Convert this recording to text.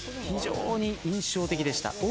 非常に印象的でした。